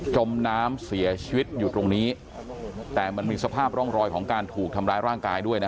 จมน้ำเสียชีวิตอยู่ตรงนี้แต่มันมีสภาพร่องรอยของการถูกทำร้ายร่างกายด้วยนะ